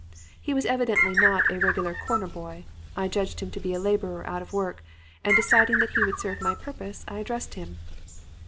He was evidently not a regular 'corner boy.' I judged him to be a laborer out of work, and deciding that he would serve my purpose I addressed him.